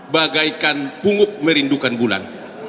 bagaikan pungup merindukan bulan